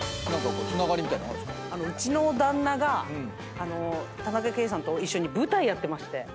うちの旦那が田中圭さんと舞台やってまして。